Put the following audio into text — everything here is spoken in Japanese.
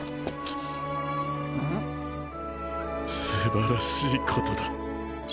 素晴らしいことだ。